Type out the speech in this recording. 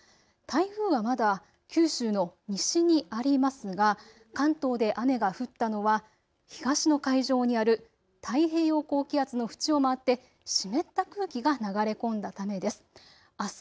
台風はまだ九州の西にありますが関東で雨が降ったのは東の海上にある太平洋高気圧の縁を回って湿った空気が流れ込んだためです。